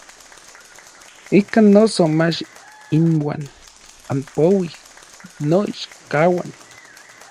Ikan noso mach inuan anpouij n noichkauan.